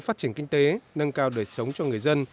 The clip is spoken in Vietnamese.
phát triển kinh tế nâng cao đời sống cho người dân